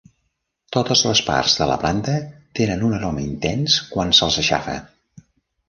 Totes les parts de la planta tenen un aroma intens quan se'ls aixafa.